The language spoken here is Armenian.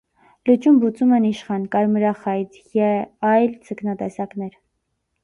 Լճում բուծում են իշխան, կարմրախայտ Ե այլ ձկնատեսակներ։